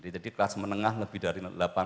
jadi kelas menengah lebih dari